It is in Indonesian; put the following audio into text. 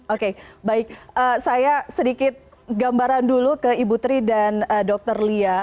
oke baik saya sedikit gambaran dulu ke ibu tri dan dr lia